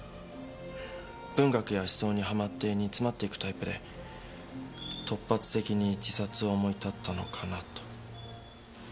文学や思想にハマって煮詰まっていくタイプで突発的に自殺を思い立ったのかなと。